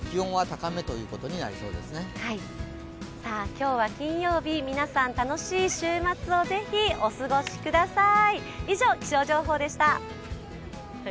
今日は金曜日、皆さん楽しい週末をぜひお過ごしください。